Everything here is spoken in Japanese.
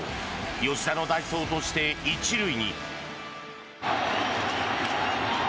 吉田の代走として１塁に。